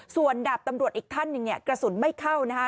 ส่วนดาบตำรวจอีกท่านหนึ่งเนี่ยกระสุนไม่เข้านะคะ